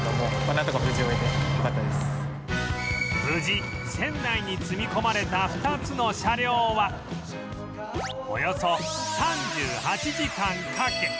無事船内に積み込まれた２つの車両はおよそ３８時間かけ